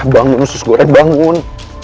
bangun susu goreng bangun